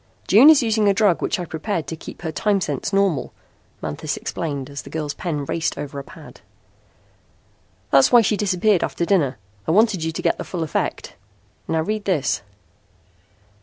"June is using a drug which I prepared to keep her time sense normal," Manthis explained as the girl's pen raced over a pad. "That's why she disappeared after dinner. I wanted you to get the full effect. Now read this."